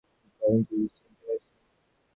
গত দু দিন তো চিনতে পারিস নি।